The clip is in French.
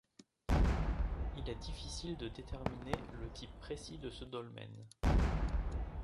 Il est difficile de déterminer le type précis de ce dolmen.